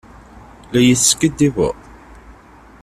La yi-teskiddibeḍ?